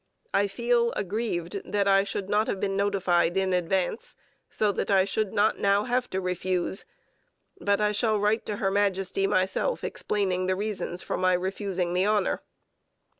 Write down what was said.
I feel aggrieved that I should not have been notified in advance, so that I should not now have to refuse, but I shall write to Her Majesty myself explaining the reasons for my refusing the honour.'